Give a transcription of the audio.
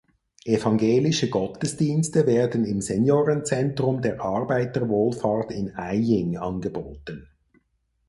Evangelische Gottesdienste werden im Seniorenzentrum der Arbeiterwohlfahrt in Aying angeboten.